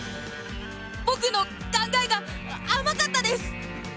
僕の考えが甘かったです！